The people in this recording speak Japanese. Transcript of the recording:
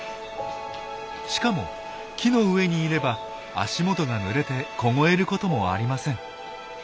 しかも木の上にいれば足元がぬれて凍えることもありません。